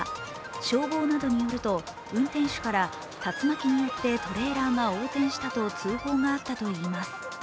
消防などによると運転手から竜巻によってトレーラーが横転したと通報があったといいます。